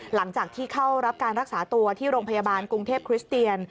หลังจากที่เข้ารับการรักษาตัวที่โรงพยาบาลกรุงเทพคริสเตียน